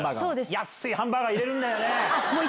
安いハンバーガー入れるんだよね。